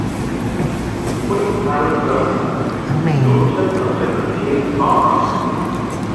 Quick married Bertha, daughter of General Chase Parr.